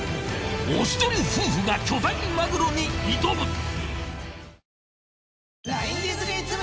おしどり夫婦が巨大マグロに挑む。